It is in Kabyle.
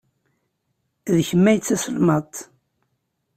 D kemm ay d taselmadt.